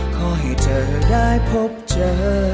ขอให้เธอได้พบเจอ